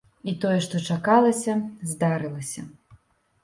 І тое, што чакалася, здарылася.